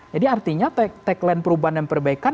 jadi artinya tagline perubahan dan perbaikan